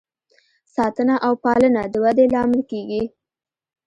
ساتنه او پالنه د ودې لامل کیږي.